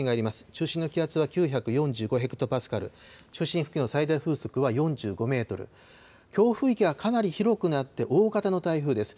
中心の気圧は９４５ヘクトパスカル、中心付近の最大風速は４５メートル、強風域がかなり広くなって、大型の台風です。